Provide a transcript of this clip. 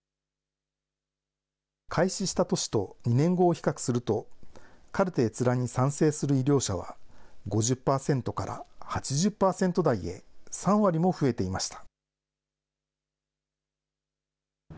開始した年と２年後を比較すると、カルテ閲覧に賛成する医療者は、５０％から８０％台へ、３割も増えていました。